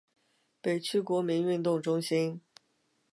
北区国民运动中心